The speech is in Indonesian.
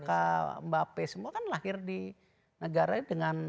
mbak raka mbak p semua kan lahir di negara ini dengan